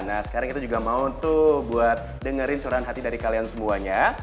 nah sekarang kita juga mau tuh buat dengerin curahan hati dari kalian semuanya